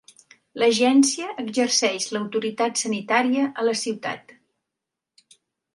L'Agència exerceix l'autoritat sanitària a la ciutat.